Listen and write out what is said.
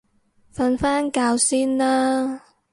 瞓返覺先啦